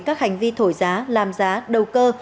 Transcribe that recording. các hành vi thổi giá làm giá đầu cơ